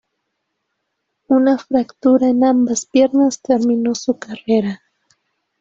Una fractura en ambas piernas terminó su carrera.